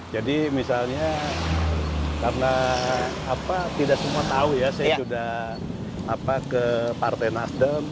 misalnya karena tidak semua tahu ya saya sudah ke partai nasdem